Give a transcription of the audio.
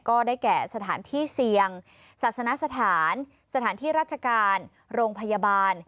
ก็ได้แก่สถานที่เสี่ยงศาสนสถานสถานที่ราชการโรงพยาบาล